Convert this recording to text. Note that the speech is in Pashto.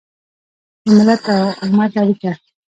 د ملت او امت اړیکه